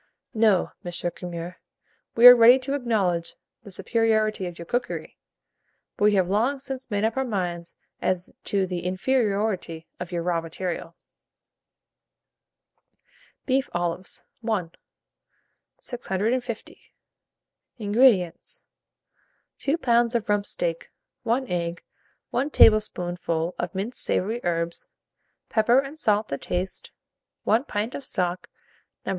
'" No, M. Curmer, we are ready to acknowledge the superiority of your cookery, but we have long since made up our minds as to the inferiority of your raw material. BEEF OLIVES. I. 650. INGREDIENTS. 2 lbs. of rump steak, 1 egg, 1 tablespoonful of minced savoury herbs, pepper and salt to taste, 1 pint of stock, No.